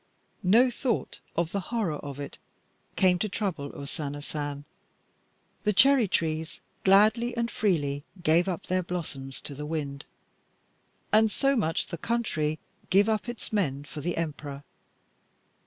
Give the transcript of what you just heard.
No thought of the horror of it came to trouble O Sana San. The cherry trees gladly and freely gave up their blossoms to the wind, and so much the country give up its men for the Emperor.